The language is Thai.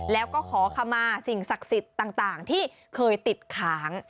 แล้วก็ขอคำมาสิ่งศักดิ์สิทธิ์ต่างที่เคยติดค้าง